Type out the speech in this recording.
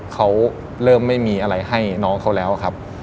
เขาเริ่มไม่มีอะไรให้น้องเขาแล้วครับ